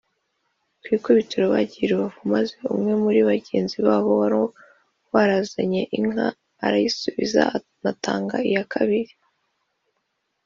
Ku ikubitiro bagiye i Rubavu maze umwe muri bagenzi babo wari waranyaze inka arayisubiza anatanga n’iya kabiri